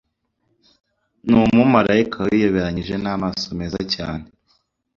Numumarayika wiyoberanije n'amaso meza cyane